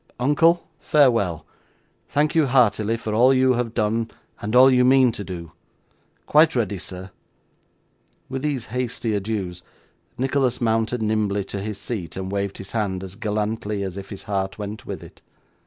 Uncle, farewell! Thank you heartily for all you have done and all you mean to do. Quite ready, sir!' With these hasty adieux, Nicholas mounted nimbly to his seat, and waved his hand as gallantly as if his heart went with it.